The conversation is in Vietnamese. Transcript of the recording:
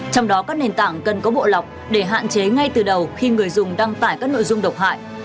trong đó các nền tảng cần có bộ lọc để hạn chế ngay từ đầu khi người dùng đăng tải các nội dung độc hại